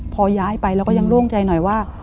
พอย้ายไปเราก็ยังโล่งใจหน่อยว่า